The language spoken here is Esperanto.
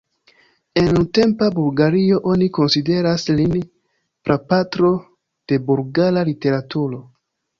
En nuntempa Bulgario oni konsideras lin prapatro de bulgara literaturo.